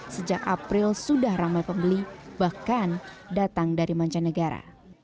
sejak april sudah ramai pembeli bahkan datang dari mancanegara